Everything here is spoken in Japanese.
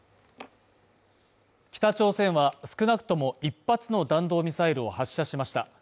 北朝鮮は、少なくとも１発の弾道ミサイルを発射しました。